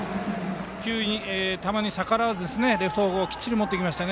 球に逆らわずレフト方向にきっちりと持っていきました。